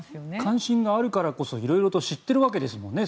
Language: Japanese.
関心があるからこそいろいろと知ってるわけですよね。